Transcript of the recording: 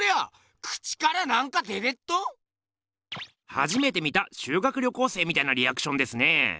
はじめて見た修学旅行生みたいなリアクションですねぇ。